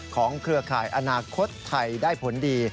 เครือข่ายอนาคตไทยได้ผลดี